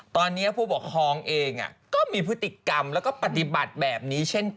ตอนนี้ผู้ปกครองเองก็มีพฤติกรรมแล้วก็ปฏิบัติแบบนี้เช่นกัน